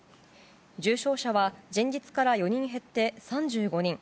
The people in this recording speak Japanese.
重症者は、前日から４人減って３５人。